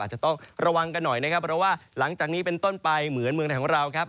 จะต้องระวังกันหน่อยนะครับเพราะว่าหลังจากนี้เป็นต้นไปเหมือนเมืองไทยของเราครับ